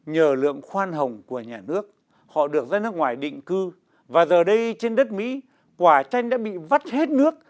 nhờ lượng khoan hồng của nhà nước họ được ra nước ngoài định cư và giờ đây trên đất mỹ quả chanh đã bị vắt hết nước